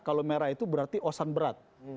kalau merah itu berarti osan berat